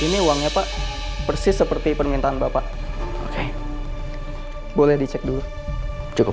hai ini uangnya pak persis seperti permintaan bapak oke boleh dicek dulu cukup